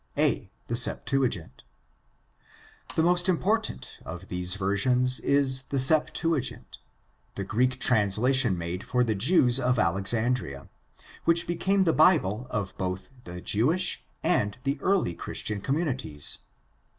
a) The Septuagint: The most important of these versions is the Septuagint, the Greek translation made for the Jews of Alexandria, which became the Bible of both the Jewish and the early Christian communities.